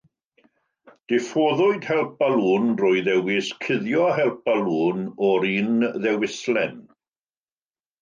Diffoddwyd help balŵn drwy ddewis Cuddio Help Balŵn o'r un dewislen.